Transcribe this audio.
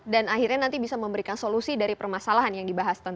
dan akhirnya nanti bisa memberikan solusi dari permasalahan yang dibahas tadi